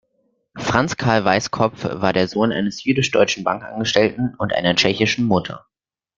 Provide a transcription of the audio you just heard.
Franz Carl Weiskopf war der Sohn eines jüdisch-deutschen Bankangestellten und einer tschechischen Mutter.